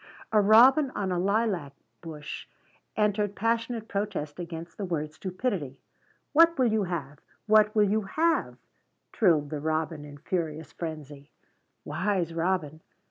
A robin on a lilac bush entered passionate protest against the word stupidity. "What will you have? What will you have?" trilled the robin in joyous frenzy. Wise robin!